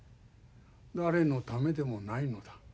誰のためでもないのだ。